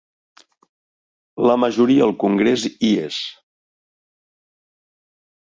La majoria al congrés hi és.